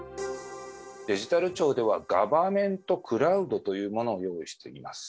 デジタル庁では、ガバメントクラウドというものを用意しています。